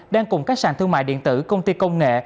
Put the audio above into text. đang cùng các sàn thương mại điện tử công ty công nghệ